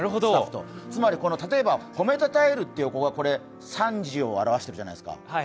つまり、例えばほめたたえてるってことは、３時を表してるじゃないですか。